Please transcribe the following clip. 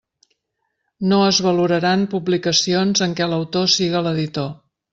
No es valoraran publicacions en què l'autor siga l'editor.